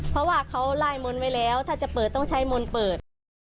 เพราะว่าเขาไล่มนต์ไว้แล้วถ้าจะเปิดต้องใช้มนต์เปิด